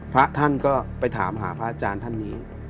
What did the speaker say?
พระท่านก็ไปถามหาพระอาจารย์ท่านนี้